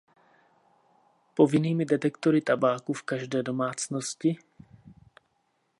Povinnými detektory tabáku v každé domácnosti?